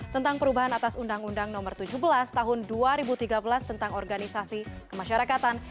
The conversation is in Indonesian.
tentang perubahan atas undang undang nomor tujuh belas tahun dua ribu tiga belas tentang organisasi kemasyarakatan